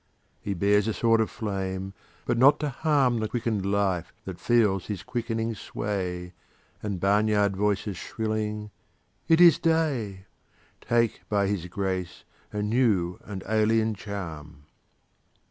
He bears a sword of flame but not to harm The wakened life that feels his quickening sway And barnyard voices shrilling "It is day!" Take by his grace a new and alien charm.